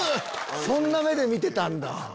そんな目で見てたんだ。